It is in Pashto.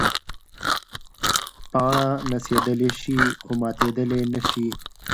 پاڼه نڅېدلی شي خو ماتېدلی نه شي.